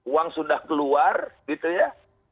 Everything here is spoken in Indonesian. uang sudah keluar gitu ya